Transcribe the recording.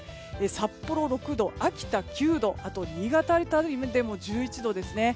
札幌６度、秋田９度あと新潟辺りでも１１度ですね。